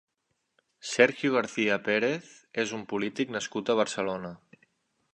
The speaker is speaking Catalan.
Sergio García Pérez és un polític nascut a Barcelona.